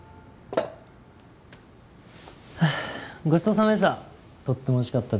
ハァごちそうさまでした！